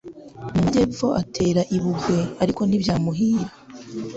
mu majyepfo atera u Bungwe ariko ntibyamuhira.